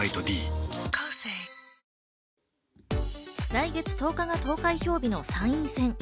来月１０日が投開票日の参院選。